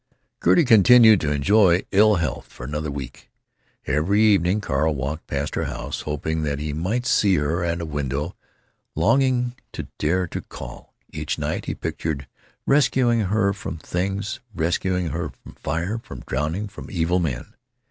Gertie continued to enjoy ill health for another week. Every evening Carl walked past her house, hoping that he might see her at a window, longing to dare to call. Each night he pictured rescuing her from things—rescuing her from fire, from drowning, from evil men.